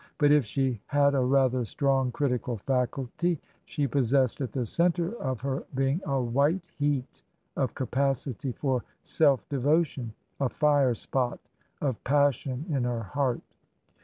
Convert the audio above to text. But if she had a rather strong critical faculty, she pos sessed at the centre of her being a white heat of capacity for self devotion — a fire spot of passion in her heart.